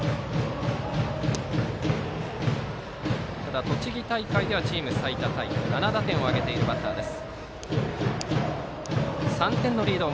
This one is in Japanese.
ただ栃木大会ではチーム最多タイ７打点を挙げているバッターです。